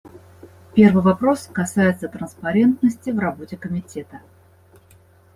Первый вопрос касается транспарентности в работе Комитета.